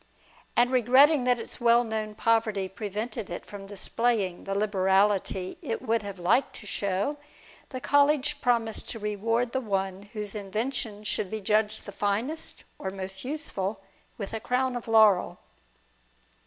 And, regretting that its well known poverty prevented it from displaying the liberality it would have Hked to show, the College promised to reward the one whose invention should be judged the finest or most useful, with a crown of laurel.